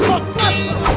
bagus bantai mereka